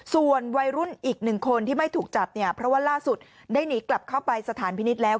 ส่วนวัยรุ่นอีกหนึ่งคนที่ไม่ถูกจับเนี่ยเพราะว่าล่าสุดได้หนีกลับเข้าไปสถานพินิษฐ์แล้ว